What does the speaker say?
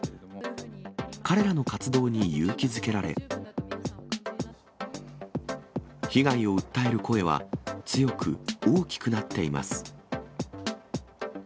彼らの活動に勇気づけられ、被害を訴える声は、強く、大きくなっています。